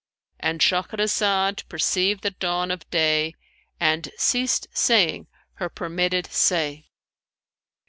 '"—And Shahrazad perceived the dawn of day and ceased saying her permitted say.